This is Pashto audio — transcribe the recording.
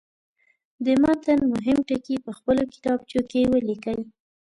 د متن مهم ټکي په خپلو کتابچو کې ولیکئ.